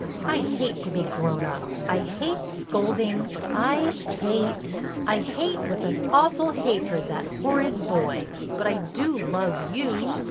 I hate to be grown up, I hate scolding, I hate — I hate, with an awful hatred, that horrid boy. But I do love you."